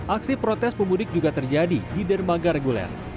aksi protes pemudik juga terjadi di dermaga reguler